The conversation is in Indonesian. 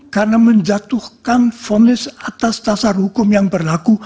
karena menjatuhkan fonis atas dasar hukum yang berlaku